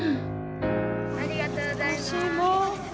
ありがとうございます。